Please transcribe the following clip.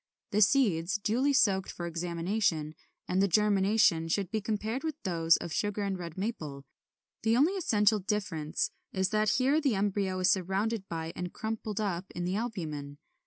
The seeds (duly soaked for examination) and the germination should be compared with those of Sugar and Red Maple (19 21). The only essential difference is that here the embryo is surrounded by and crumpled up in the albumen.